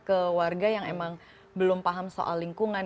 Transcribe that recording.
ke warga yang emang belum paham soal lingkungan